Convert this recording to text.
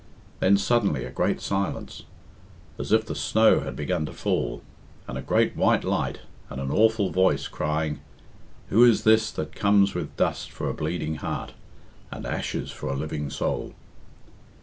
Then suddenly a great silence, as if the snow had begun to fall, and a great white light, and an awful voice crying, "Who is this that comes with dust for a bleeding heart, and ashes for a living soul?"